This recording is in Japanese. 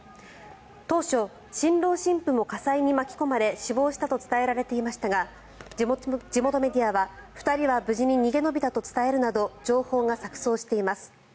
当初、新郎新婦も火災に巻き込まれ死亡したと伝えられていましたが地元メディアは、２人は無事に逃げ延びたと伝えるなど情報が錯そうしています。